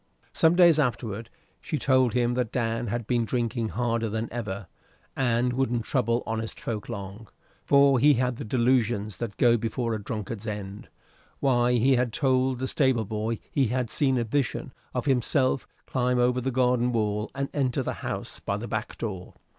Some days afterward she told him that Dan had been drinking harder than ever, and wouldn't trouble honest folk long, for he had the delusions that go before a drunkard's end; why, he had told the stable boy he had seen a vision of himself climb over the garden wall, and enter the house by the back door.